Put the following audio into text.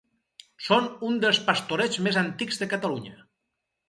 Són un dels Pastorets més antics de Catalunya.